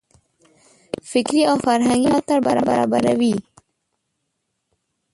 فکري او فرهنګي ملاتړ برابروي.